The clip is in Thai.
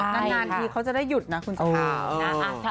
นานทีเขาจะได้หยุดนะคุณสาธา